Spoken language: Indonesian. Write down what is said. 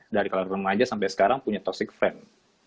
dari kalangan remaja sampai sekarang punya toxic friend